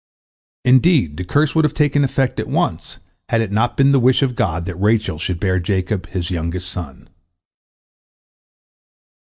Indeed, the curse would have taken effect at once, had it not been the wish of God that Rachel should bear Jacob his youngest son.